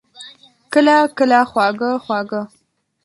کله، کله خواږه، خواږه